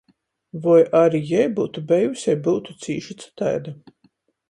Voi ari jei byutu bejuse i byutu cīši cytaida.